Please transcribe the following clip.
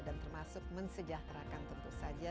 dan termasuk mensejahterakan tentu saja